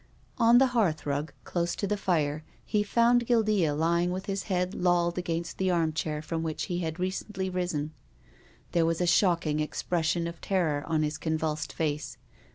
On the hearthrug, close to the fire, he found Guildea lying with his head lolled against the arm chair from which he had recently risen. There was a shocking expression of terror on his con vulsed face.